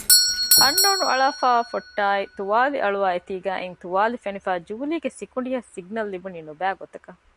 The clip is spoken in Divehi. އަންނައުނު އަޅާފައިވާ ފޮއްޓާއި ތުވާލި އަޅުވާ އެތީގައި އިން ތުވާލި ފެނިފައި ޖޫލީގެ ސިކުނޑިއަށް ސިގްނަލް ލިބުނީ ނުބައިގޮތަކަށް